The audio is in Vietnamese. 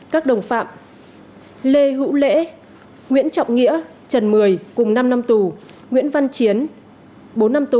các đồng phạm lê hữu lễ nguyễn trọng nghĩa trần mười cùng năm năm tù nguyễn văn chiến bốn năm tù